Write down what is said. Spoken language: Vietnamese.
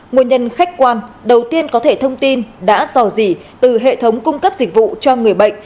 nguồn nhân khách quan đầu tiên có thể thông tin đã dò dỉ từ hệ thống cung cấp dịch vụ cho người bệnh